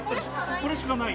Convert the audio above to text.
これしかない？